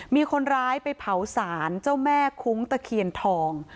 มีคนร้ายไปเผาสารเจ้าแม่คุ้งตะเคียนทอง